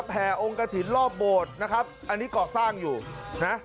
แผ่องกระถิ่นรอบโบสถ์นะครับอันนี้ก่อสร้างอยู่นะ